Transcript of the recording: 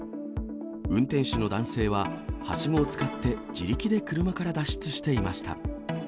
運転手の男性は、はしごを使って自力で車から脱出していました。